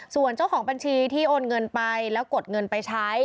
ส่วนเจ้าของบัญชีที่โอนเงินไปแล้วกดเงินไปใช้